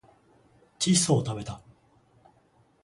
窒素をたべた